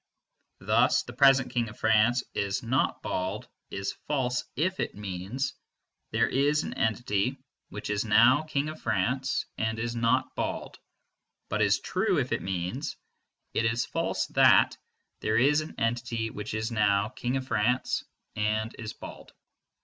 Thus "the present King of France is not bald" is false if it means "There is an entity which is now King of France and is not bald," but is true if it means "It is false that there is an entity which is now King of France and is bald."